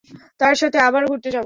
তার সাথে আবারো ঘুরতে যাবে?